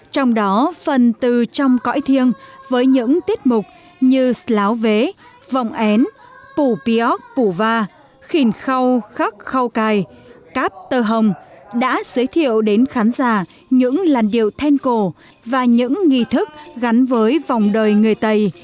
trong đó phần từ trong cõi thiêng với những tiết mục như láo vế vọng én pù pióc pù va khìn khâu khắc khâu cài cáp tơ hồng đã giới thiệu đến khán giả những làn điệu thên cổ và những nghi thức gắn với vòng đời người tây